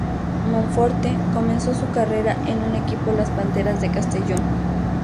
Monforte comenzó su carrera en un equipo las Panteras de Castellón.